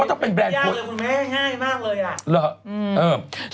ยากเลยคุณแม่ง่ายง่ายมาก